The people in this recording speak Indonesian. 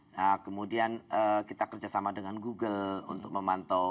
nah kemudian kita kerjasama dengan google untuk memantau